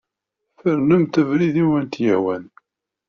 Fernemt abrid i awent-yehwan.